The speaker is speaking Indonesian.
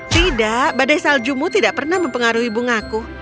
tidak badai saljumu tidak pernah mempengaruhi bungaku